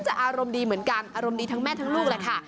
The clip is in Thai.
อารมณ์ดีเหมือนกันอารมณ์ดีทั้งแม่ทั้งลูกแหละค่ะ